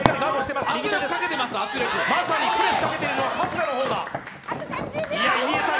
まさにプレスをかけているのは春日の方だ。